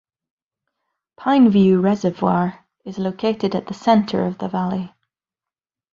Pineview Reservoir is located at the center of the valley.